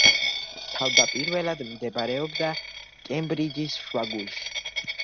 თავდაპირველად მდებარეობდა კემბრიჯის შუაგულში.